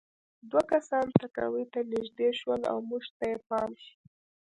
دوه کسان تهکوي ته نږدې شول او موږ ته یې پام شو